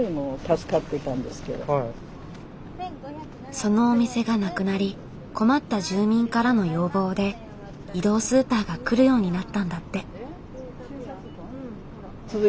そのお店がなくなり困った住民からの要望で移動スーパーが来るようになったんだって。